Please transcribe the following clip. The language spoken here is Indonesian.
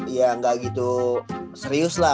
ya nggak gitu serius lah